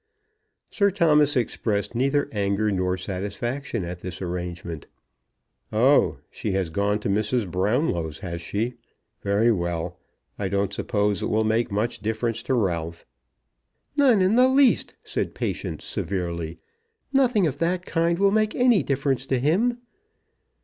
Sir Thomas expressed neither anger nor satisfaction at this arrangement, "Oh; she has gone to Mrs. Brownlow's, has she? Very well. I don't suppose it will make much difference to Ralph." "None in the least," said Patience, severely. "Nothing of that kind will make any difference to him."